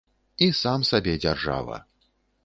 І сам сабе дзяржава.